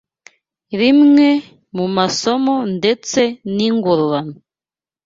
Rimwe mu masomo ndetse n’ingororano